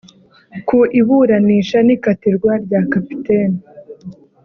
Ku iburanisha n’ ikatirwa rya Capt